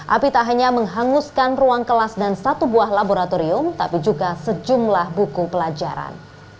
api tak hanya menghanguskan ruang kelas dan satu buah laboratorium tapi juga sejumlah buku pelajaran